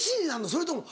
それとも。